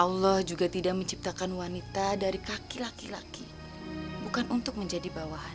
allah tidak menciptakan wanita dari kepala laki laki